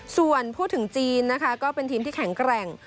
ส่วนพูดถึงจีนนะคะก็เป็นทีมที่แข็งแกร่ง